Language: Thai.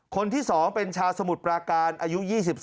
คนที่สองเป็นชาสมุดปราการอายุ๒๓